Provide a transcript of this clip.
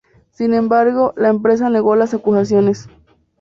Sin embargo, la empresa negó las acusaciones.